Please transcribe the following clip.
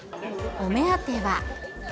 お目当ては。